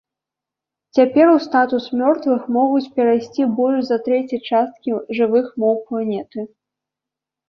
Цяпер у статус мёртвых могуць перайсці больш за трэцяй часткі жывых моў планеты.